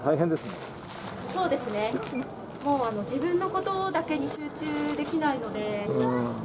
もう自分のことだけに集中できないので。